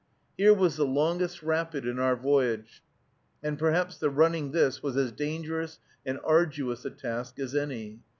Here was the longest rapid in our voyage, and perhaps the running this was as dangerous and arduous a task as any.